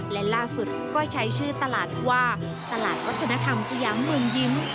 และล่าสุดก็ใช้ชื่อตลาดว่าตลาดวัฒนธรรมสยามเมืองยิ้ม